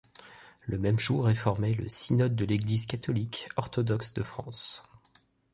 Le même jour est formé le Synode de l’Église catholique orthodoxe de France.